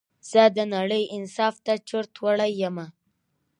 زه د نړۍ انصاف ته چورت وړى يمه